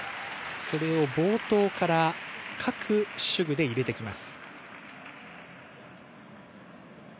それを冒頭から各手具で入れてきます。